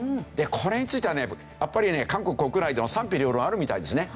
これについてはねやっぱりね韓国国内でも賛否両論あるみたいですね。